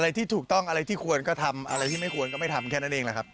ที่ถูกต้องอะไรที่ควรก็ทำอะไรที่ไม่ควรก็ไม่ทำแค่นั้นเองแหละครับ